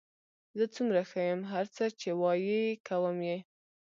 زه څومره ښه یم، هر څه چې وایې کوم یې.